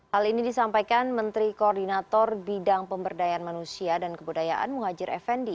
hal ini disampaikan menteri koordinator bidang pemberdayaan manusia dan kebudayaan muhajir effendi